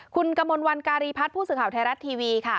คุณกมลวันการีพัฒน์ผู้สื่อข่าวไทยรัฐทีวีค่ะ